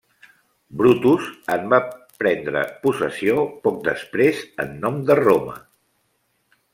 Brutus en va prendre possessió poc després en nom de Roma.